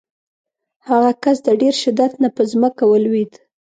هغه کس د ډېر شدت نه په ځمکه ولویېد.